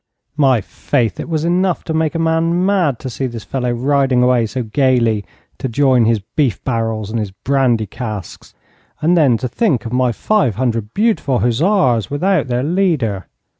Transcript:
My faith! it was enough to make a man mad to see this fellow riding away so gaily to join his beef barrels, and his brandy casks, and then to think of my five hundred beautiful hussars without their leader.